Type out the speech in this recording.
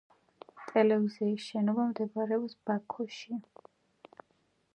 ტელევიზიის შენობა მდებარეობს ბაქოში.